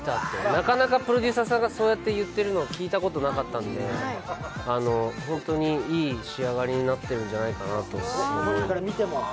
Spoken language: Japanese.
なかなかプロデューサーさんがそうやって言ってるのを聞いたことがなかったので、本当にいい仕上がりになっているんじゃないかと思います。